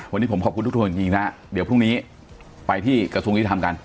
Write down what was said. วันนี้ผมขอบคุณทุกจริงนะเดี๋ยวพรุ่งนี้ไปที่กระทรวงอิทธิภาพการณ์